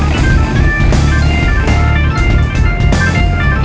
ya sekarang pampas